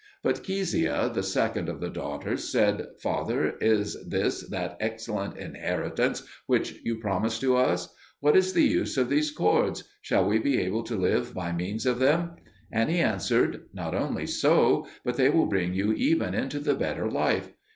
But Keziah, the second of the daughters, said, "Father, is this that excellent inheritance which you promised to us? What is the use of these cords? Shall we be able to live by means of them?" And he answered, "Not only so, but they will bring you even into the better life.